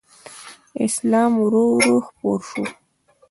اسلام ورو ورو خپور شو